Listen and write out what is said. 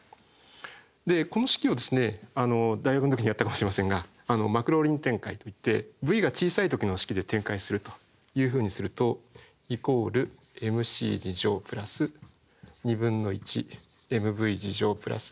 でこの式を大学の時にやったかもしれませんがマクローリン展開といってｖが小さい時の式で展開するというふうにすると＝ｍｃ＋1/2ｍｖ＋というような形になります。